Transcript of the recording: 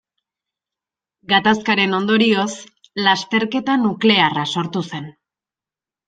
Gatazkaren ondorioz lasterketa nuklearra sortu zen.